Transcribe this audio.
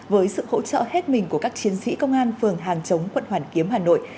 với sự hỗ trợ hết mình của các chiến sĩ công an phường hàng chống quận hoàn kiếm hà nội